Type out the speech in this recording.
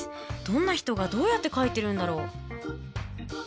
どんな人がどうやって描いてるんだろう。